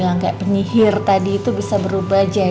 mau ganti baju sebentar ya